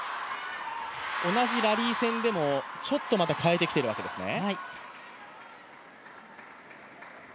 同じラリー戦でもちょっとまた変えてきているわけですね。